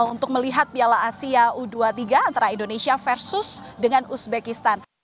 untuk melihat piala asia u dua puluh tiga antara indonesia versus dengan uzbekistan